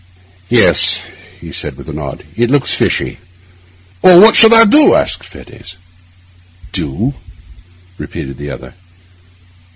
'Yes,' he said with a nod, 'it looks fishy.' 'Well, what should I do?' asked Fettes. 'Do?' repeated the other.